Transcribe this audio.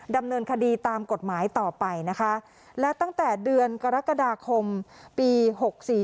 ดำเนินคดีตามกฎหมายต่อไปนะคะและตั้งแต่เดือนกรกฎาคมปีหกสี่